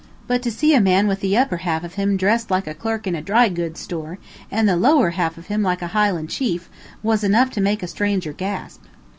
But to see a man with the upper half of him dressed like a clerk in a dry goods store and the lower half like a Highland chief, was enough to make a stranger gasp.